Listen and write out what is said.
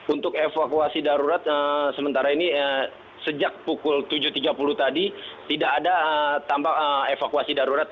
untuk evakuasi darurat sementara ini sejak pukul tujuh tiga puluh tadi tidak ada tambah evakuasi darurat